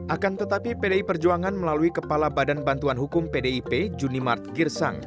akan tetapi pdi perjuangan melalui kepala badan bantuan hukum pdip junimart girsang